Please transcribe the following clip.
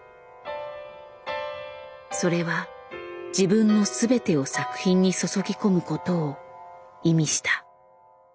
それは自分の全てを作品に注ぎ込むことを意味した。